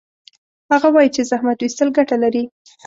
هغه وایي چې زحمت ویستل ګټه لري